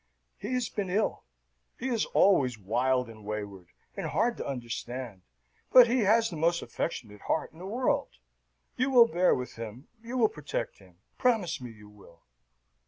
"He has been ill. He is always wild and wayward, and hard to understand. But he has the most affectionate heart in the world. You will bear with him, you will protect him promise me you will."